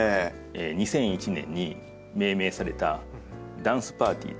２００１年に命名された「ダンスパーティー」という。